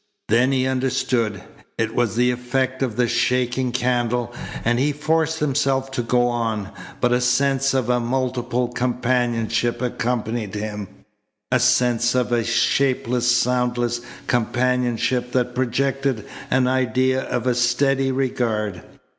Then he understood. It was the effect of the shaking candle, and he forced himself to go on, but a sense of a multiple companionship accompanied him a sense of a shapeless, soundless companionship that projected an idea of a steady regard.